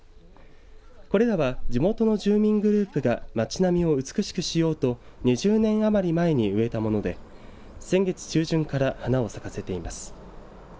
これらは地元の住民グループが町並みを美しくしようと２０年余り前に植えたもので先月中旬から花を咲かせています。